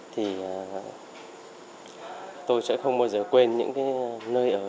thì tôi sẽ không bao giờ quên những cái nơi ở